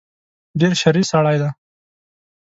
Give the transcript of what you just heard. ډېر شریر سړی دی.